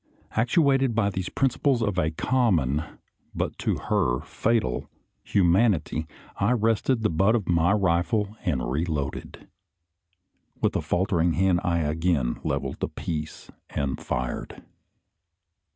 Actuated by these principles of a common, but to her fatal, humanity, I rested the butt of my rifle and reloaded. With a faltering hand I again levelled the piece and fired.